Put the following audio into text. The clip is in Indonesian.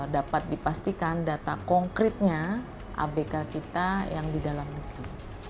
dapat dipastikan data konkretnya abk kita yang di dalam negeri